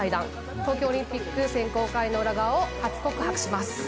東京オリンピック選考会の裏側を初告白します。